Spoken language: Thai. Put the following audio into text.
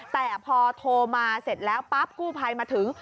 แต่พอโทรมาเสร็จแล้วปั๊บกู้ภัยมาถึง